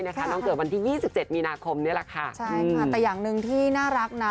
เราก็แอบไปเราก็อยากกินอยู่กัน